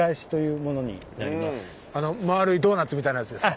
あの丸いドーナツみたいなやつですか？